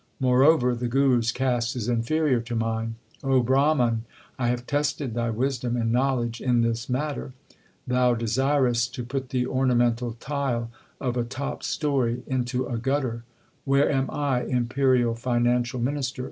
Moreover the Guru s caste is inferior to mine. O Brahman, I have tested thy wisdom and knowledge in this matter. Thou desirest to put the ornamental tile of a top story into a gutter. Where am I, imperial Financial Minister